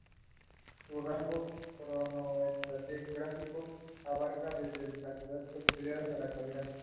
Su rango cronoestratigráfico abarcaba desde el Cretácico superior hasta la Actualidad.